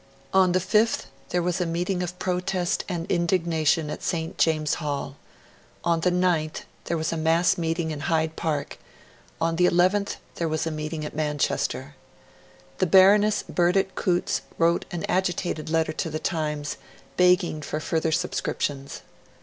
On the 5th, there was a meeting of protest and indignation at St. James's Hall; on the 9th there was a mass meeting in Hyde Park; on the 11th there was a meeting at Manchester. The Baroness Burdett Coutts wrote an agitated letter to "The Times" begging for further subscriptions.